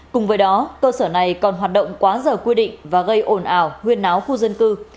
cùng với đó cơ sở này còn hoạt động quá giờ quy định và gây ồn ào huyên áo khu dân cư